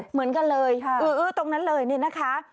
เหมือนกันเลยค่ะอื้อตรงนั้นเลยนี่นะคะ